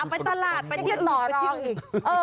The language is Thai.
เอาไปตลาดไปเที่ยงหน่อรองอีกเออ